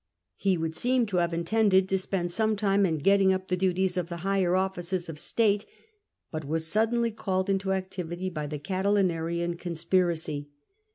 He would seem to have intended to spend some time in getting up the duties of the higher offices of state, but was suddenly called into activity by the Oatilinarian con spiracy.